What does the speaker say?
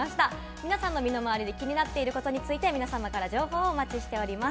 皆さんの身の回りで気になっていること、みなさまの情報をお待ちしています。